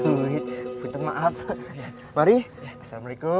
duit putih maaf mari assalamualaikum